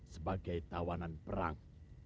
sebagai tawanan perang